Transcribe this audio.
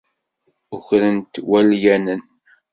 Ukren-t walyanen.